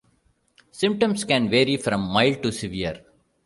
Symptoms can vary from mild to severe.